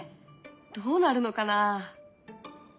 どうなるのかな？